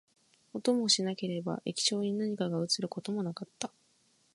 音もしなければ、液晶に何かが写ることもなかった